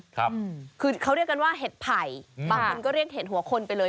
คือเขาเรียกกันว่าเห็ดไผ่บางคนก็เรียกเห็ดหัวคนไปเลย